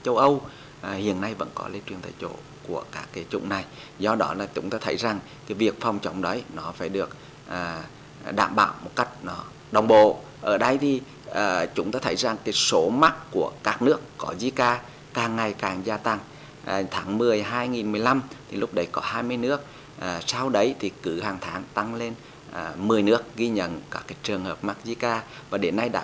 sau đấy thì cứ hàng tháng tăng lên một mươi nước ghi nhận các trường hợp mắc zika và đến nay đã sáu mươi một nước ghi nhận trường hợp mắc zika